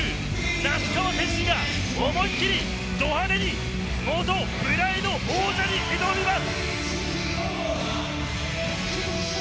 那須川天心が思い切り、ド派手に元ＰＲＩＤＥ王者に挑みます。